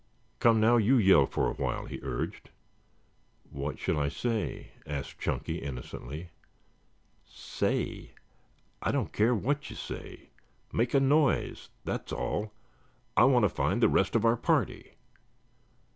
"Come now, you yell for a while," he urged. "What shall I say?" asked Chunky innocently. "Say? I don't care what you say. Make a noise. That's all. I want to find the rest of our party."